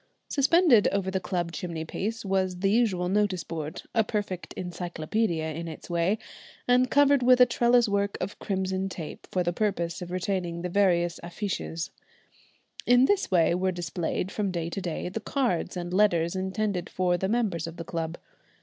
Suspended over the club chimney piece was the usual notice board, a perfect encyclopædia in its way, and covered with a trellis work of crimson tape for the purpose of retaining the various affiches. In this way were displayed, from day to day, the cards and letters intended for the members of the club.